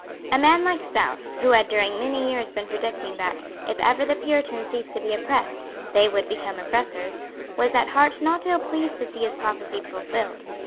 A man like South, who had during many years been predicting that, if ever the Puritans ceased to be oppressed, they would become oppressors, was at heart not ill pleased to see his prophecy fulfilled.